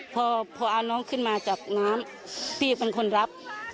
พอเอาน้องขึ้นมาจากน้ำพี่เป็นคนรับ